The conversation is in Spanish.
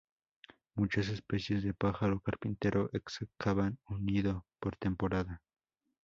Muchas especies de pájaro carpintero excavan un nido por temporada.